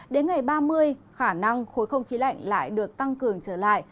đến ngày ba mươi khả năng khối không khí lạnh lại được tăng cường trở lại